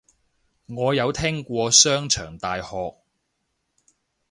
我有聽過商場大學